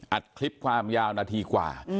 อัดคลิปความยาวนาทีกว่า